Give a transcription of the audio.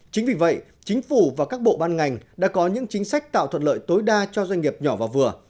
chính vì vậy chính phủ và các bộ ban ngành đã có những chính sách tạo thuận lợi tối đa cho doanh nghiệp nhỏ và vừa